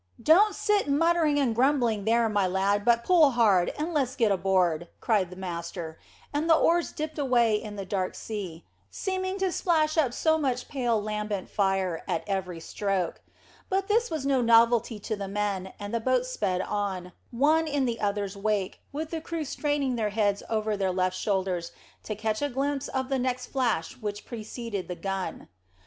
"Don't sit muttering and grumbling there, my lad, but pull hard, and let's get aboard," cried the master, and the oars dipped away in the dark sea, seeming to splash up so much pale lambent fire at every stroke. But this was no novelty to the men, and the boats sped on, one in the other's wake, with the crew straining their heads over their left shoulders to catch a glimpse of the next flash which preceded the gun.